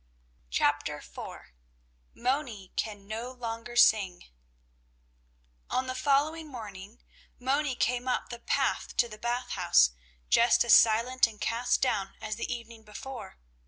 CHAPTER IV MONI CAN NO LONGER SING On the following morning Moni came up the path to the Bath House, just as silent and cast down as the evening before.